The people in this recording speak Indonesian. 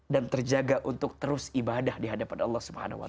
dan terjaga untuk terus ibadah dihadapan allah